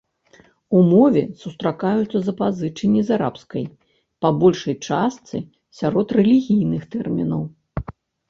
У мове сустракаюцца запазычанні з арабскай, па большай частцы сярод рэлігійных тэрмінаў.